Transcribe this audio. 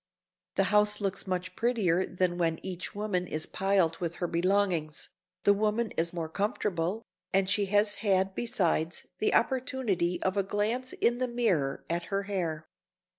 The house looks much prettier than when each woman is piled with her belongings, the woman is more comfortable, and she has had besides the opportunity of a glance in the mirror at her hair.